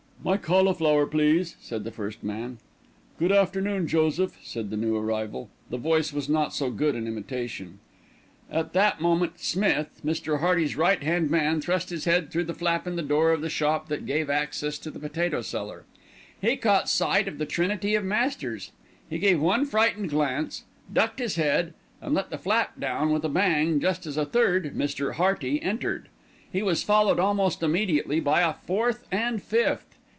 "My cauliflower, please," said the first man. "Good afternoon, Joseph," said the new arrival. The voice was not so good an imitation. At that moment Smith, Mr. Hearty's right hand man, thrust his head through the flap in the floor of the shop that gave access to the potato cellar. He caught sight of the trinity of masters. He gave one frightened glance, ducked his head, and let the flap down with a bang just as a third "Mr. Hearty" entered. He was followed almost immediately by a fourth and fifth.